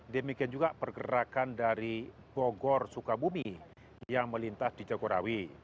demikian juga pergerakan dari bogor sukabumi yang melintas di jagorawi